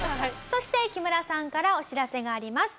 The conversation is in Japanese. そして木村さんからお知らせがあります。